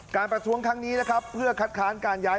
การประท้วงครั้งนี้เพื่อคัดค้านการย้าย